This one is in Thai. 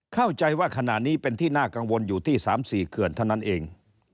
เข้าใจว่าขณะนี้เป็นที่น่ากังวลอยู่ที่๓๔เขื่อนเท่านั้นเอง